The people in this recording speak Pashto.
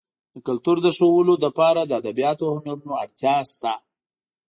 د کلتور د ښودلو لپاره د ادبیاتو او هنرونو اړتیا شته.